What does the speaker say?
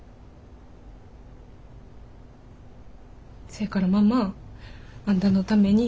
そやからママあんたのために。